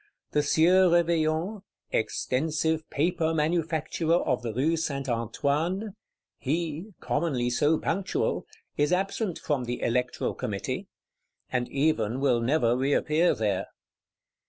The Sieur Réveillon, "extensive Paper Manufacturer of the Rue St. Antoine;" he, commonly so punctual, is absent from the Electoral Committee;—and even will never reappear there.